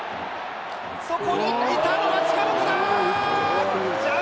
そこにいたのは近本だー